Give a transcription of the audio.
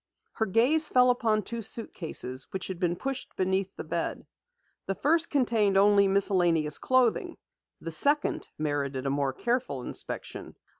Her gaze fell upon two suitcases which had been pushed beneath the bed. The first contained only miscellaneous clothing. The second merited a more careful inspection.